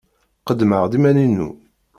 Qeddmeɣ-d iman-inu.